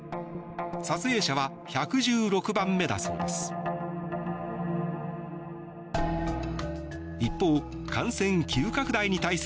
撮影者は１１６番目だそうです。